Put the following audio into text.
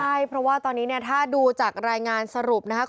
ใช่เพราะว่าตอนนี้เนี่ยถ้าดูจากรายงานสรุปนะครับ